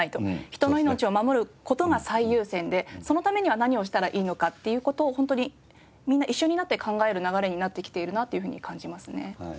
人の命を守る事が最優先でそのためには何をしたらいいのかっていう事を本当にみんな一緒になって考える流れになってきているなっていうふうに感じますね。